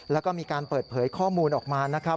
แล้วก็มีการเปิดเผยข้อมูลออกมานะครับ